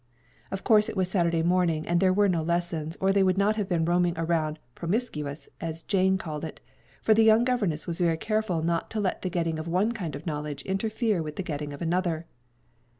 Of course it was Saturday morning and there were no lessons, or they would not have been roaming around "promiscuous," as Jane called it; for the young governess was very careful not to let the getting of one kind of knowledge interfere with the getting of another.